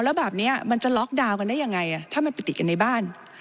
แล้วแบบนี้มันจะล็อกดาวน์กันได้ยังไงถ้ามันไปติดกันในบ้าน